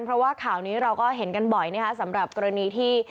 เพราะว่าข่าวนี้เราก็เห็นกันบ่อยนะคะสำหรับกรณีที่